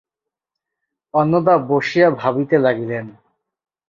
অন্নদা বসিয়া ভাবিতে লাগিলেন।